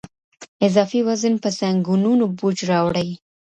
اضافي وزن په زنګونونو بوج راوړي.